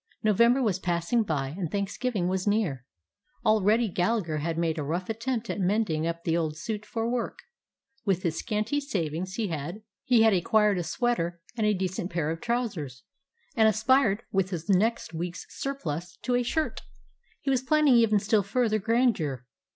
November was passing by, and Thanksgiv ing was near. Already Gallagher had made a rough attempt at mending up the old suit for work, With his scanty savings he had 153 DOG HEROES OF MANY LANDS acquired a sweater and a decent pair of trou sers, and aspired, with his next week's surplus, to a shirt. He was planning even still fur ther grandeur.